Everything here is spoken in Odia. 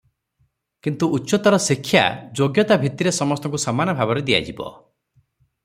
କିନ୍ତୁ ଉଚ୍ଚତର ଶିକ୍ଷା ଯୋଗ୍ୟତା ଭିତ୍ତିରେ ସମସ୍ତଙ୍କୁ ସମାନ ଭାବରେ ଦିଆଯିବ ।